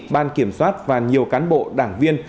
ban kiểm soát và nhiều cán bộ đảng viên